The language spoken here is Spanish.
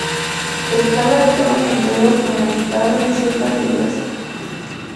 Escala de tonos enteros en la Guitarra en Central De Jazz